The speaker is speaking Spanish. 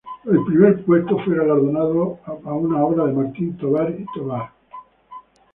El primer puesto fue galardonado a una obra de Martín Tovar y Tovar.